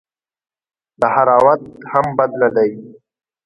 دهراوت هم بد نه دئ.